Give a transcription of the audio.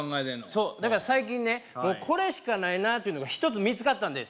そうだから最近ねもうこれしかないなっていうのが１つ見つかったんです